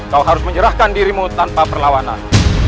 kau harus menyerahkan dirimu tanpa perlawanan